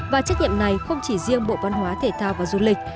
và trách nhiệm này không chỉ riêng bộ văn hóa thể thao và du lịch